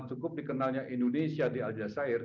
cukup dikenalnya indonesia di aljazeera